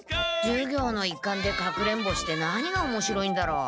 授業の一環で隠れんぼして何がおもしろいんだろう？